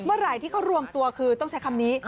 เมื่อไหร่ที่เขารวมตัวคือต้องใช้คำนี้